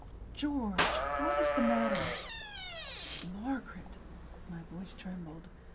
"George, what is the matter?" "Margaret!" My voice trembled.